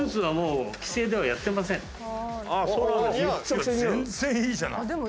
全然いいじゃない。